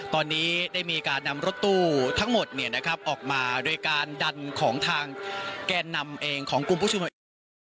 ตอนนี้ได้มีการนำรถตู้ทั้งหมดออกมาโดยการดันของทางแกนนำเองของกลุ่มผู้ชุมนุมเองนะครับ